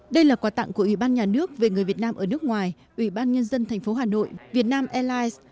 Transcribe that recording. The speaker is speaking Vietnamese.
đây là quà tặng của ủy ban nhà nước về người việt nam ở nước ngoài ủy ban nhân dân tp hà nội việt nam airlines